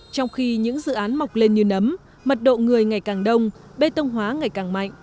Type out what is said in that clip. trong khi những dự án mọc lên như nấm mật độ người ngày càng đông bê tông hóa ngày càng mạnh